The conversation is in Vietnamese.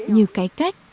nhiều cái cách